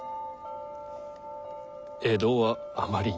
江戸はあまりに。